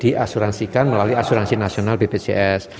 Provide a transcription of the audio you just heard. dan juga di asuransikan melalui asuransi nasional bpjs